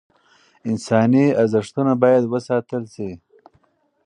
انساني ارزښتونه باید وساتل شي.